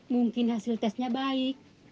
mungkin hasil tesnya baik